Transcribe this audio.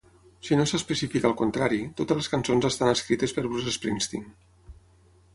Si no s'especifica el contrari, totes les cançons estan escrites per Bruce Springsteen.